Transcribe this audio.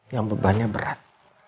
yang bebannya berat